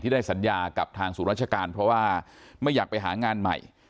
ได้สัญญากับทางศูนย์ราชการเพราะว่าไม่อยากไปหางานใหม่